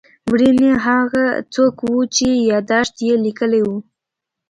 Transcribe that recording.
مېړنی هغه څوک و چې یادښت یې لیکلی و.